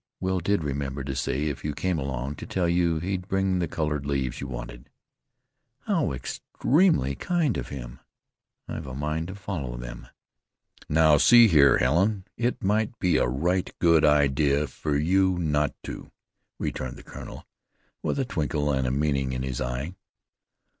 Will did remember to say if you came along, to tell you he'd bring the colored leaves you wanted." "How extremely kind of him. I've a mind to follow them." "Now see here, Helen, it might be a right good idea for you not to," returned the colonel, with a twinkle and a meaning in his eye.